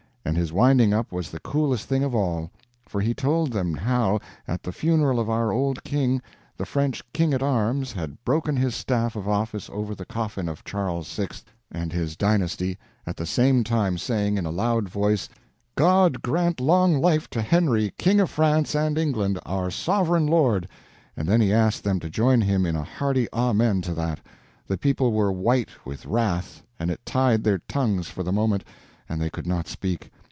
And his winding up was the coolest thing of all. For he told them how, at the funeral of our old King, the French King at Arms had broken his staff of office over the coffin of "Charles VI. and his dynasty," at the same time saying, in a loud voice, "God grant long life to Henry, King of France and England, our sovereign lord!" and then he asked them to join him in a hearty Amen to that! The people were white with wrath, and it tied their tongues for the moment, and they could not speak.